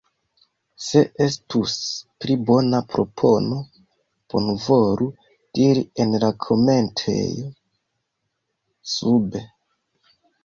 Se estus pli bona propono, bonvolu diri en la komentejo sube.